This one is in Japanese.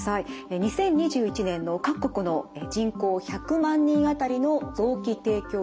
２０２１年の各国の人口１００万人あたりの臓器提供数です。